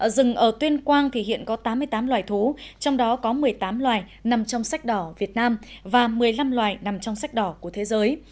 rừng ở tuyên quang thì hiện có tám mươi tám loài thú trong đó có một mươi tám loài nằm trong sách đỏ việt nam và một mươi năm loài nằm trong sách đỏ của thế giới